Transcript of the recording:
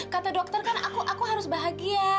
kata dokter kan aku harus bahagia